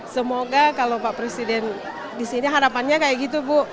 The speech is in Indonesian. semoga kalau pak presiden di sini harapannya kayak gitu bu